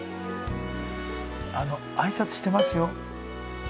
あの挨拶してますよ。